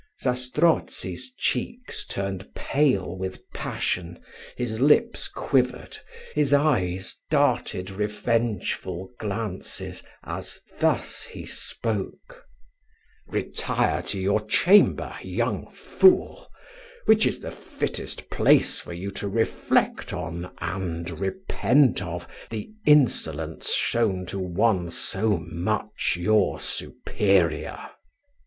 Zastrozzi's cheeks turned pale with passion, his lips quivered, his eyes darted revengeful glances, as thus he spoke: "Retire to your chamber, young fool, which is the fittest place for you to reflect on, and repent of, the insolence shown to one so much your superior."